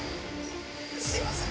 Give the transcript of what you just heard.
すいません。